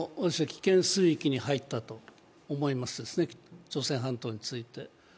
危険水域に入ったと思います、朝鮮半島について。